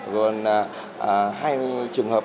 rồi hai trường hợp